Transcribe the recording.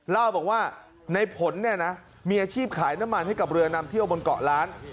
เล่าบอกว่าในผลเนี่ยนะมีอาชีพขายน้ำมันให้กับเรือนำเที่ยวบนเกาะล้าน